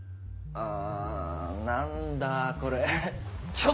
ああ何だこれェ。